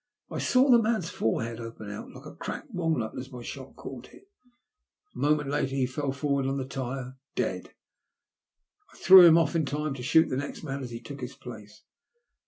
I saw the man's forehead open out like a cracked walnut as my shot caught it, and a moment later he fell forward on the tyre — dead. I threw him off in time to shoot the next man as he took his place.